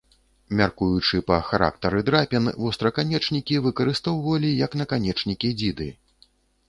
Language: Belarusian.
Мяркуючы па характары драпін, востраканечнікі выкарыстоўвалі як наканечнікі дзіды.